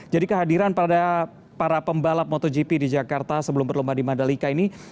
jadi kehadiran para pembalap motogp di jakarta sebelum berlomba di madalika ini